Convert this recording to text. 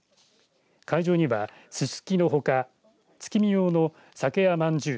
会場にはススキのほか月見用の酒やまんじゅう